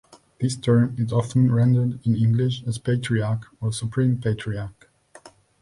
This term is often rendered in English as 'Patriarch' or 'Supreme Patriarch'.